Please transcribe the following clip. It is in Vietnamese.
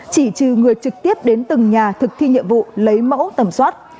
chỉ trừ người trực tiếp đến từng nhà thực thi nhiệm vụ lấy mẫu tầm soát